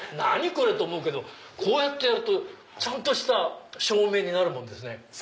これ！って思うけどこうやってやるとちゃんとした照明になるんですね。